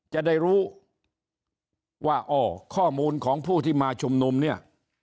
จะได้รู้ว่าอ๋อข้อมูลของผู้ที่มาชุมนุมเนี่ย